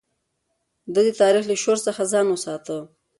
ده د تاريخ له شور څخه ځان وساته.